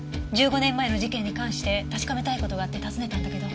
１５年前の事件に関して確かめたい事があって訪ねたんだけど。